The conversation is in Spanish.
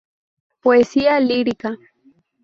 Poesía lírica.